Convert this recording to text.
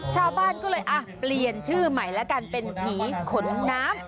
ชาวบ้านก็เลยอ่ะเปลี่ยนชื่อใหม่แล้วกันเป็นผีขนน้ำ